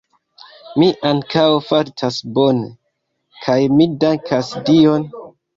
Mi ankaŭ fartas bone, kaj mi dankas Dion.